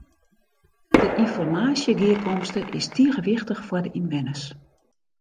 De ynformaasjegearkomste is tige wichtich foar de ynwenners.